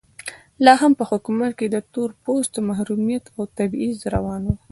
لا هم په حکومت کې د تور پوستو محرومیت او تبعیض روان و.